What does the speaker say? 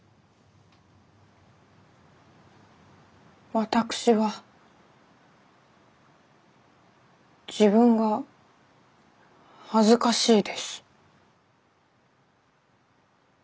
私は自分が恥ずかしいです。